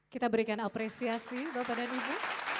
kita berikan apresiasi kepada nubu